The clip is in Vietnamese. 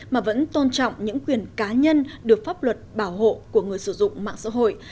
mà vẫn tôn trọng những quyền cá nhân được pháp luật bảo hộ của người sử dụng mạng xã hội